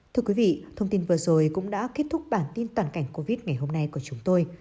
thưa quý vị thông tin vừa rồi cũng đã kết thúc bản tin toàn cảnh covid ngày hôm nay của chúng tôi